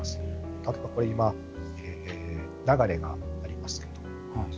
例えば、流れがあります。